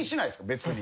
別に。